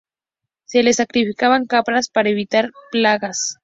Se le sacrificaban cabras para evitar plagas.